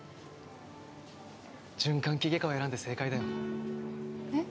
循環器外科を選んで正解だよえっ？